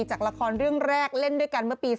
จากละครเรื่องแรกเล่นด้วยกันเมื่อปี๒๕